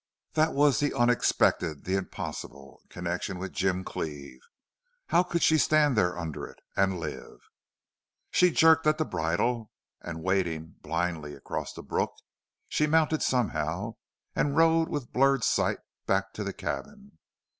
That was the unexpected the impossible in connection with Jim Cleve. How could she stand there under it and live? She jerked at the bridle, and, wading blindly across the brook, she mounted somehow, and rode with blurred sight back to the cabin.